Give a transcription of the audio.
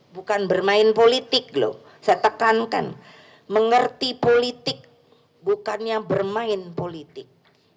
bukan bermain politik loh saya tekankan mengerti politik bukannya bermain politik